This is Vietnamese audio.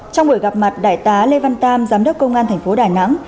trong buổi gặp mặt đại tá lê văn tam giám đốc công an thành phố đà nẵng